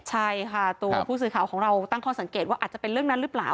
ใช่ค่ะตัวผู้สื่อข่าวของเราตั้งข้อสังเกตว่าอาจจะเป็นเรื่องนั้นหรือเปล่า